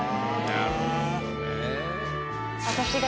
なるほどね。